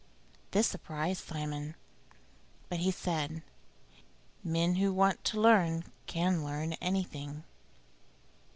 This surprised Simon, but he said, "Men who want to learn can learn anything."